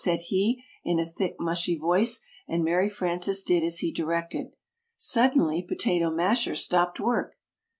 said he in a thick, mushy voice, and Mary Frances did as he directed. Suddenly Potato Masher stopped work.